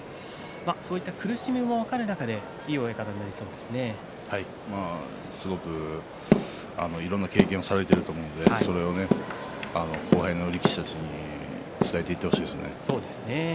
そういった苦しみも分かる中でいろんな経験をされていると思うのでそれを後輩の力士たちに伝えていってほしいですね。